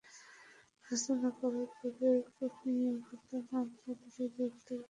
হস্তান্তর করার পরে কুনিও হত্যা মামলায় তাঁদের গ্রেপ্তারের বিষয়ে বলা যাবে।